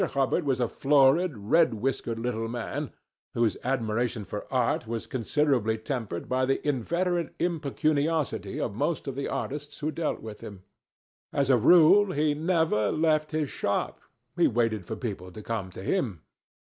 Hubbard was a florid, red whiskered little man, whose admiration for art was considerably tempered by the inveterate impecuniosity of most of the artists who dealt with him. As a rule, he never left his shop. He waited for people to come to him.